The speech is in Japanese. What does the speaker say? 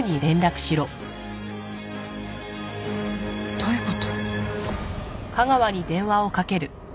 どういう事？